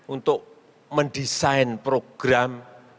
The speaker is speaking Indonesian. untuk mendesain program